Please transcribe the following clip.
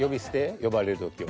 呼ばれる時は。